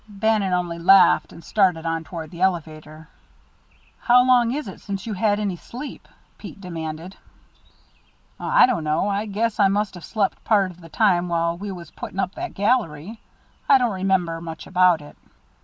Bannon only laughed and started on toward the elevator. "How long is it since you had any sleep?" Pete demanded. "I don't know. Guess I must have slept part of the time while we was putting up that gallery. I don't remember much about it."